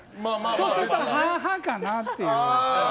そうすると半々かなっていう。